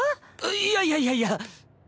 いやいやいやいや！